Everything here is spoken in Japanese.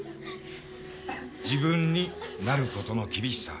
自分になることの厳しさ